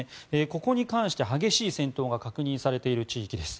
ここに関しては激しい戦闘が確認されている地域です。